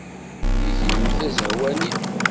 Tiziri d tazehwanit.